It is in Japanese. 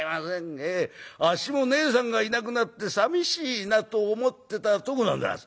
ええあっしもねえさんがいなくなってさみしいなと思ってたとこなんでございます』